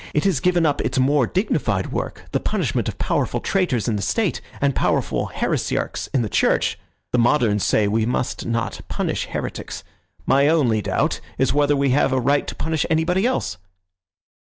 It has given up its more dignified work, the punishment of powerful traitors in the State and powerful heresiarchs in the Church. The moderns say we must not punish heretics. My only doubt is whether we have a right to punish anybody else."